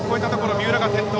三浦が転倒！